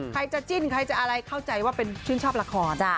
ใครจะจิ้นใครจะอะไรเข้าใจว่าเป็นชื่นชอบละคร